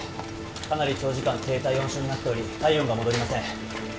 かなり長時間低体温症になっており体温が戻りません。